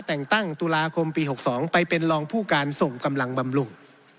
แต่งตั้งตุลาคมปี๖๒ไปเป็นรองผู้การส่งกำลังบำรุง